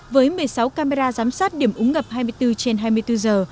với một mươi sáu camera giám sát điểm úng ngập hai mươi bốn trên hai mươi bốn giờ